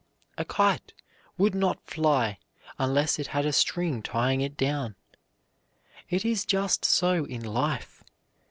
A kite would not fly unless it had a string tying it down. It is just so in life.